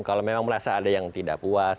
kalau memang merasa ada yang tidak puas